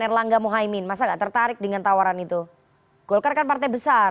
erlangga mohaimin masa gak tertarik dengan tawaran itu golkar kan partai besar